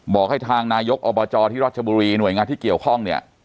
บอกให้ทางนายกอบจที่รัชบุรีหน่วยงานที่เกี่ยวข้องเนี่ย